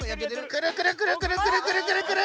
クルクルクルクルクルクルクルクル！